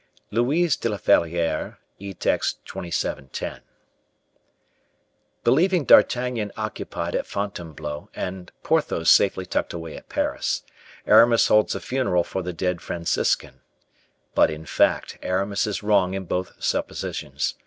Louise de la Valliere (Etext 2710): Believing D'Artagnan occupied at Fontainebleau and Porthos safely tucked away at Paris, Aramis holds a funeral for the dead Franciscan but in fact, Aramis is wrong in both suppositions.